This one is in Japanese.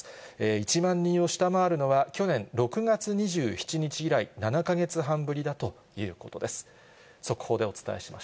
１万人を下回るのは、去年６月２７日以来、７か月半ぶりだということです。